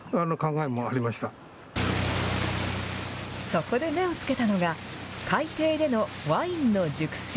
そこで目をつけたのが、海底でのワインの熟成。